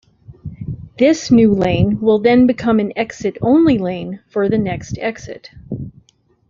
This new lane will then become an Exit Only lane for the next exit.